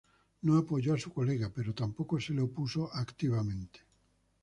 No apoyó a su colega pero tampoco se le opuso activamente.